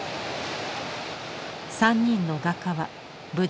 ３人の画家は無事だった。